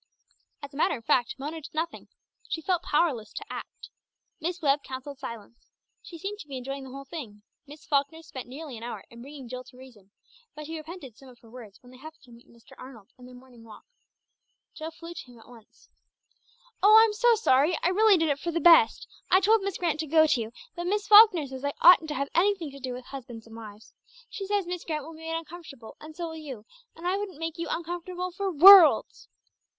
As a matter of fact Mona did nothing. She felt powerless to act. Miss Webb counselled silence. She seemed to be enjoying the whole thing; Miss Falkner spent nearly an hour in bringing Jill to reason, but she repented of some of her words when they happened to meet Mr. Arnold in their morning walk. Jill flew to him at once. "Oh, I'm so sorry. I really did it for the best. I told Miss Grant to go to you, but Miss Falkner says I oughtn't to have anything to do with husbands and wives. She says Miss Grant will be made uncomfortable and so will you; and I wouldn't make you uncomfortable for worlds!"